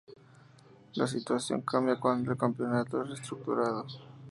La situación cambia cuando el campeonato es reestructurado.